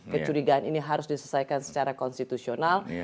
kecurigaan ini harus diselesaikan secara konstitusional